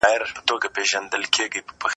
انلاين درسونه ثبت سوي مواد وړاندې کړي دي.